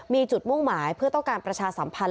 มีจุดมุ่งหมายเพื่อต้องการประชาสัมพันธ